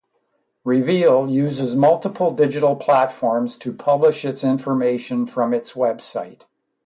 Reveal uses multiple digital platforms to publish its information from its website.